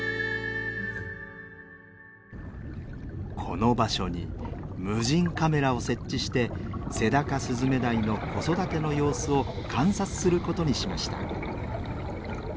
この場所に無人カメラを設置してセダカスズメダイの子育ての様子を観察することにしました。